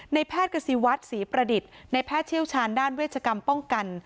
แพทย์กษีวัฒน์ศรีประดิษฐ์ในแพทย์เชี่ยวชาญด้านเวชกรรมป้องกัน